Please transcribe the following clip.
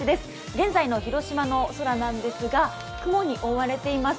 現在の広島の空なんですが雲に覆われています。